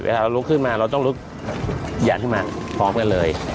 เราลุกขึ้นมาเราต้องลุกหยัดขึ้นมาพร้อมกันเลย